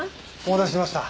お待たせしました。